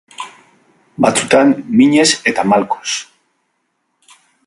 Batzutan, minez, eta malkoz.